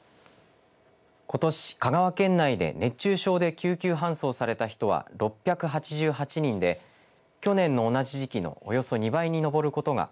ことし、香川県内で熱中症で救急搬送された人は６８８人で去年の同じ時期のおよそ２倍に上ることが